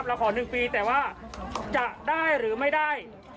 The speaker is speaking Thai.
ขอ๑ปีแต่ว่าจะได้หรือไม่ได้